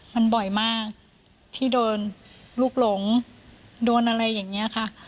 มันบ่อยมากที่โดนลูกหลงโดนอะไรอย่างนี้ค่ะ